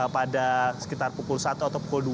pada sekitar pukul satu atau pukul dua